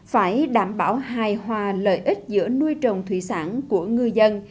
phải đảm bảo hài hòa lợi ích giữa nuôi trồng thủy sản của ngư dân